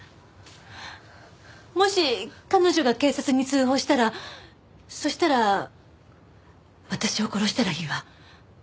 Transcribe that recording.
もし彼女が警察に通報したらそしたら私を殺したらいいわ。